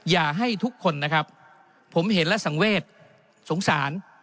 อย่าให้ทุกคนนะครับผมเห็นและสังเวทสงสาร